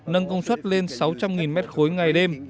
nâng công suất lên sáu trăm linh m ba ngày đêm